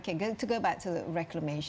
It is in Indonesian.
oke untuk kembali ke reklamasi